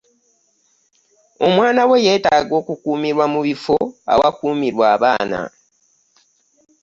Omwana wo yeetaaga okukuumirwa mu bifo awakuumirwa abaana.